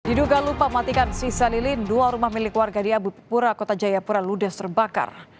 diduga lupa matikan si salilin dua rumah milik warga di abipura kota jayapura ludes terbakar